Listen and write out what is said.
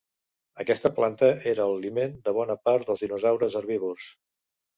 Aquesta planta era l'aliment de bona part dels dinosaures herbívors.